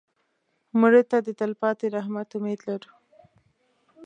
مړه ته د تلپاتې رحمت امید لرو